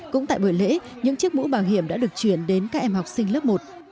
cũng tại buổi lễ những chiếc mũ bàng hiểm đã được truyền đến các em học sinh lớp một